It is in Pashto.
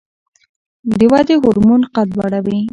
د ودې هورمون قد لوړوي